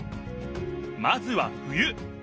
まずは冬。